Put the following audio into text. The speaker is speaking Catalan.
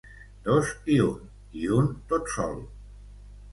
Dos i un, i un tot sol”.